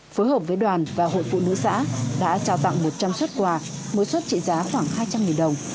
phối hợp với đoàn và hội phụ nữ xã đã trao tặng một trăm linh xuất quà mỗi xuất trị giá khoảng hai trăm linh đồng